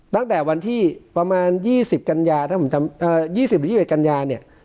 ตั้งแต่วันที่ประมาณยี่สิบกัญญาถ้าผมจำเอ่อยี่สิบหรือยี่สิบกัญญาเนี่ย